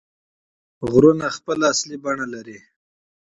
غرونه طبیعي بڼه لري.